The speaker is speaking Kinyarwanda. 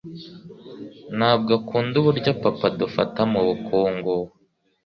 Ntabwo akunda uburyo papa adufata - mubukungu.